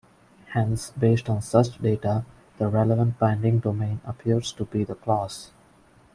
Hence based on such data, the relevant binding domain appears to be the clause.